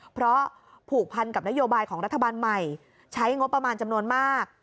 เพราะผูกพันกับนโยบายของรัฐบาลใหม่ใช้งบประมาณจำนวนมาก